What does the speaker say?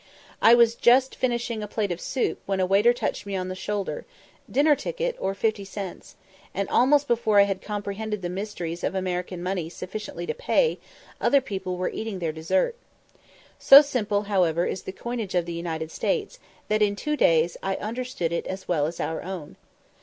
I was just finishing a plate of soup when a waiter touched me on the shoulder "Dinner ticket, or fifty cents"; and almost before I had comprehended the mysteries of American money sufficiently to pay, other people were eating their dessert. So simple, however, is the coinage of the United States, that in two days I understood it as well as our own.